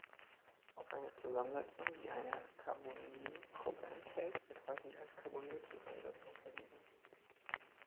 Auf eine Zusammensetzung, die eine Carbonylgruppe enthält, wird häufig als Carbonyl-Zusammensetzung verwiesen.